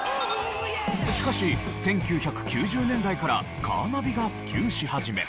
しかし１９９０年代からカーナビが普及し始め。